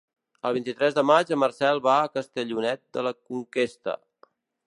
El vint-i-tres de maig en Marcel va a Castellonet de la Conquesta.